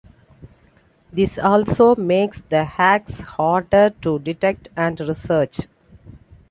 This also makes the hacks harder to detect and research.